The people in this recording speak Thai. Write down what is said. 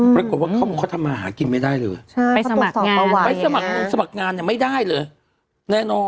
ปรากฏว่าเขาทำอาหารกินไม่ได้เลย